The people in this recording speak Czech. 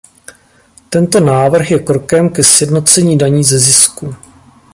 Tento návrh je krokem ke sjednocení daní ze zisku.